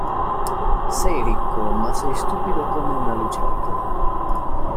Sei ricco ma sei stupido come una lucertola.